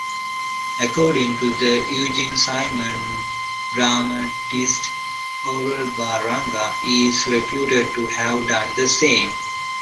According to Eugen Simion, dramatist Aurel Baranga is reputed to have done the same.